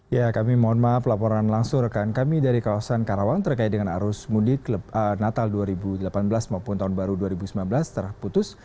ya kami mohon maaf laporan langsung rekan kami dari kawasan karawang terkait dengan arus mudik natal dua ribu delapan belas maupun tahun baru dua ribu sembilan belas terputus